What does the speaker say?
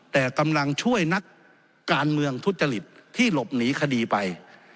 แต่กำลังช่วยนักการเมืองทุจริตที่หลบหนีคดีไป